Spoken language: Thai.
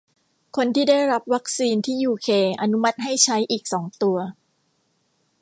คนที่ได้รับวัคซีนที่ยูเคอนุมัติให้ใช้อีกสองตัว